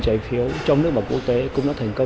trái phiếu trong nước và quốc tế cũng đã thành công